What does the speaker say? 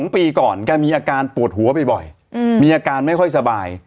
๒ปีก่อนแกมีอาการปวดหัวบ่อยมีอาการไม่ค่อยสบาย